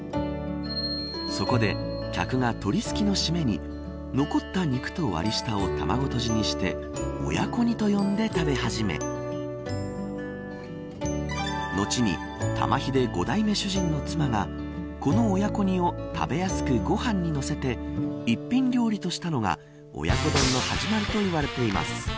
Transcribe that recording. そこで客が鶏すきのしめに残った肉と割り下を卵とじにして親子煮と呼んで食べ始め後に、玉ひで五代目主人の妻がこの親子煮を食べやすくご飯に乗せて一品料理としたのが親子丼の始まりといわれています。